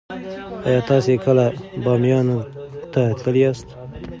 ایا تاسې کله بامیانو ته تللي یاست؟